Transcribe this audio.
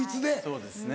そうですね。